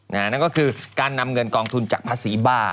นั่นก็คือการนำเงินกองทุนจากภาษีบ้า